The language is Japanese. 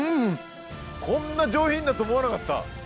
こんな上品だと思わなかった。